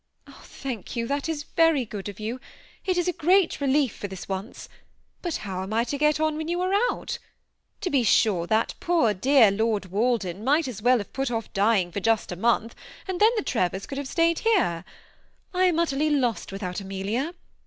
" Thank you, that is very good of you. It is a great relief for this once ; but how am I to get on when you are out? To be sure, that poor, dear Lord Walden might as well have put off dying just for a month, and then the Trevors could have stayed here. I am utterly lost without Amelia.